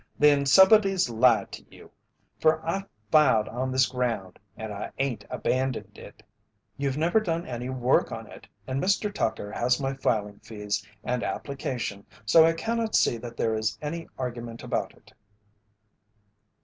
"Then somebody's lied to you, fer I filed on this ground and I ain't abandoned it." "You've never done any work on it, and Mr. Tucker has my filing fees and application so I cannot see that there is any argument about it."